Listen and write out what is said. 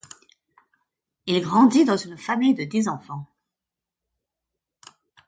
Il grandit dans une famille de dix enfants.